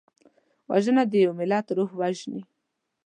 وژنه د یو ملت روح وژني